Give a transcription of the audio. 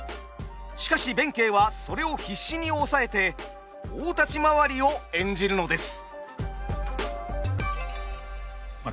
しかし弁慶はそれを必死に抑えて大立ち回りを演じるのです。